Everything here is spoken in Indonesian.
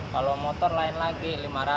kalau motor lain lagi lima ratus